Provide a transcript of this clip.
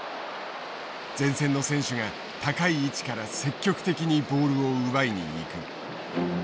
前線の選手が高い位置から積極的にボールを奪いに行く。